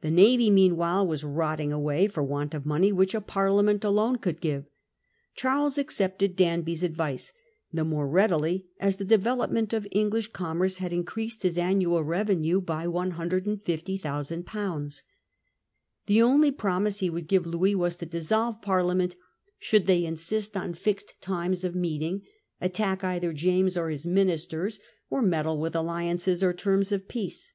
The navy meanwhile was rotting away for want of money which a Parliament alone could give. Charles accepted Danby's advice, the more readily as the development of English commerce had increased his annual revenue by 150,000/. The only promise he would give Louis was to dissolve Parliament should they insist on fixed times of meeting, attack either James or his ministers, or meddle with i 675 * Policy of Danby . 235 ? alliances or terms of peace.